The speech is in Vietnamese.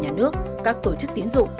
nhà nước các tổ chức tiến dụng